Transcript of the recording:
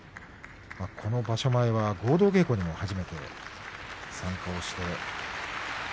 場所前は、合同稽古にも初めて参加しました。